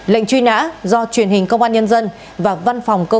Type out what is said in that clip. lệnh truy nã do truyền hình công an nhân dân và văn phòng công an nhân dân